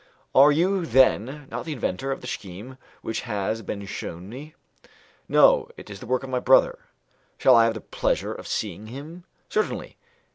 "Are you, then, not the inventor of the scheme which has been shewn me?" "No, it is the work of my brother." "Shall I have the pleasure or seeing him?" "Certainly.